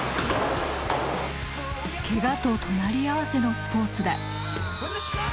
ケガと隣り合わせのスポーツだ。